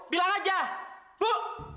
bilang aja bu